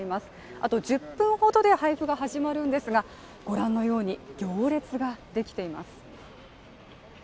あと１０分ほどで配布が始まるんですが、ご覧のように行列ができています。